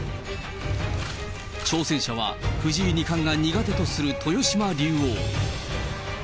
挑戦者は、藤井二冠が苦手とする豊島竜王。